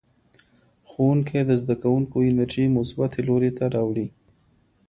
ښوونکی د زدهکوونکو انرژي مثبتې لوري ته راوړي.